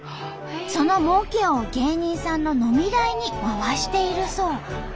そのもうけを芸人さんの飲み代に回しているそう。